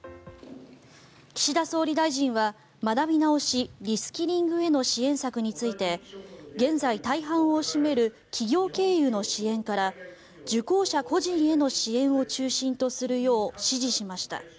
岸田総理大臣は学び直し・リスキリングへの支援策について現在、大半を占める企業経由の支援から受講者個人への支援を中心とするよう指示しました。